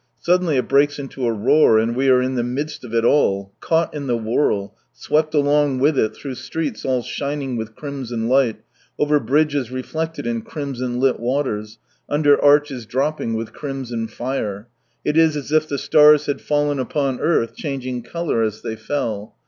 Suddenly it breaks into a roar, and we are in the midst of it all, caught in the whirl, swept along with it through streets all shining with crimson light, over bridges reflected in crimson lit waters, under arches dropping with crimson fire — it is as if the stars had fallen upon earth, changing colour as they fell.